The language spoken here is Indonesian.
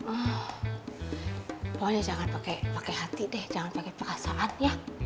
oh pokoknya jangan pakai hati deh jangan pakai perasaan ya